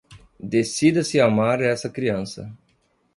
Decida-se amar essa criança